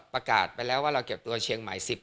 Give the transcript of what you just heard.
ประกาศไปแล้วว่าเราเก็บตัวเชียงใหม่๑๐